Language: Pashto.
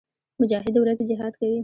مجاهد د ورځې جهاد کوي.